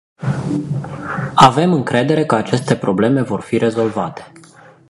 Avem încredere că aceste probleme vor fi rezolvate.